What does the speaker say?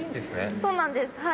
そうなんですはい。